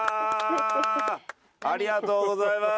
ありがとうございます。